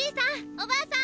おばあさん！